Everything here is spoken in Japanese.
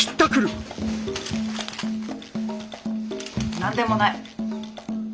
何でもない！